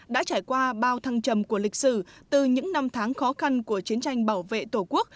đã trải qua bao thăng trầm của lịch sử từ những năm tháng khó khăn của chiến tranh bảo vệ tổ quốc